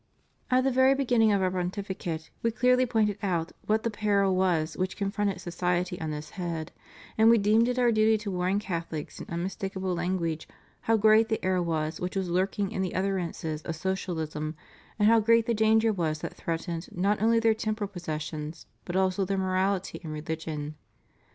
At the very beginning of Our Pontificate We clearly pointed out what the peril was which confronted society on this head, and We deemed it Our duty to warn Catholics, in unmistakable language, how great the error was which was lurking in the utterances of socialism, and how great the danger was that threatened not only their temporal possessions, but also their morality and religion.